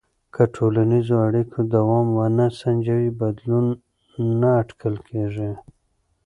که د ټولنیزو اړیکو دوام ونه سنجوې، بدلون نه اټکل کېږي.